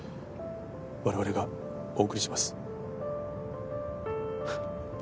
我々がお送りします。